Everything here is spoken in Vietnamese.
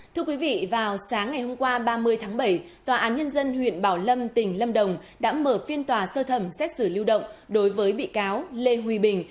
thưa quý vị vào sáng ngày hôm qua ba mươi tháng bảy tòa án nhân dân huyện bảo lâm tỉnh lâm đồng đã mở phiên tòa sơ thẩm xét xử lưu động đối với bị cáo lê huy bình